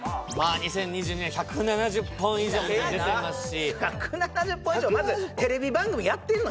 ２０２２年１７０本以上出てますし１７０本以上まずテレビ番組やってんの？